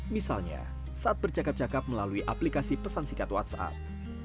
misalnya saat bercakap cakap melalui aplikasi pesan singkat whatsapp